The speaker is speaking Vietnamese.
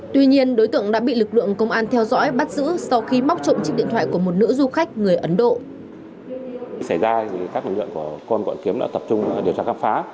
tuy nhiên đối tượng đã bị lực lượng công an theo dõi bắt giữ sau khi móc trộm chiếc điện thoại của một nữ du khách người ấn độ